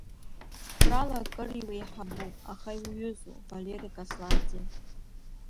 Қәрала кыр иуеиҳабу, аха иуҩызоу Валери Касланӡиа.